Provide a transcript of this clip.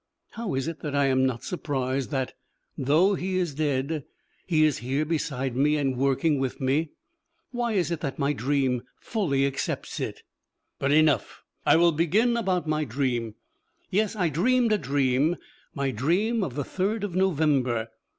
How is it that I am not surprised that, though he is dead, he is here beside me and working with me? Why is it that my reason fully accepts it? But enough. I will begin about my dream. Yes, I dreamed a dream, my dream of the third of November.